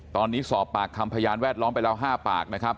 ตอนนี้สอบปากคำพยานแวดล้อมไปแล้ว๕ปากนะครับ